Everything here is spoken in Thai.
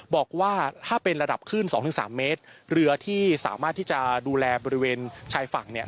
บอกว่าถ้าเป็นระดับขึ้น๒๓เมตรเรือที่สามารถที่จะดูแลบริเวณชายฝั่งเนี่ย